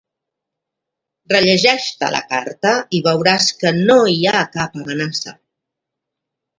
Rellegeix-te la carta i veuràs que no hi ha cap amenaça.